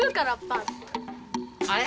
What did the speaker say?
あれ？